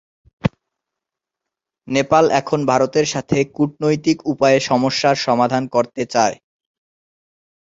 নেপাল এখন ভারতের সাথে কূটনৈতিক উপায়ে সমস্যার সমাধান করতে চায়।